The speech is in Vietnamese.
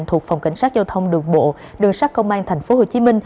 thuộc phòng cảnh sát giao thông đường bộ đường sát công an tp hcm